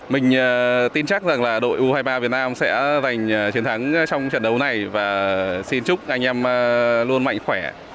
mình tin chắc rằng là đội u hai mươi ba việt nam sẽ giành chiến thắng trong trận đấu này và xin chúc anh em luôn mạnh khỏe